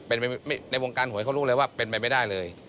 ในวงการหวยเขารู้เลยว่าเป็นไปไม่ได้เลย